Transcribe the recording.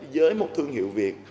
với một thương hiệu việt